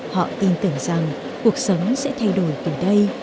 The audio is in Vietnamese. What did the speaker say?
họ tin tưởng rằng cuộc sống sẽ thay đổi từ đây